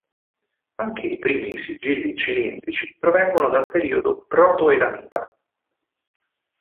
Anche i primi sigilli cilindrici provengono dal periodo proto-elamita.